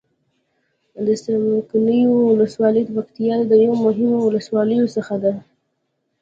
د څمکنيو ولسوالي د پکتيا يو د مهمو ولسواليو څخه ده.